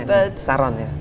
ya dan saron ya